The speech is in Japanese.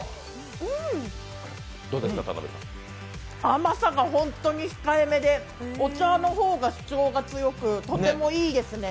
甘さが本当に控えめでお茶の方が主張が強くとてもいいですね。